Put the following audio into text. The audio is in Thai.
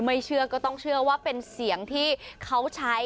เชื่อก็ต้องเชื่อว่าเป็นเสียงที่เขาใช้